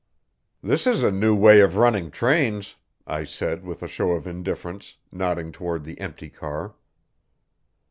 "This is a new way of running trains," I said with a show of indifference, nodding toward the empty car.